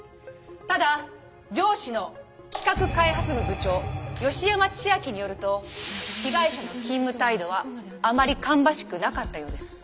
ただ上司の企画開発部部長芳山千昭によると被害者の勤務態度はあまり芳しくなかったようです。